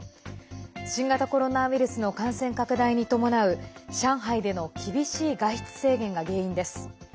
新型コロナウイルスの感染拡大に伴う上海での厳しい外出制限が原因です。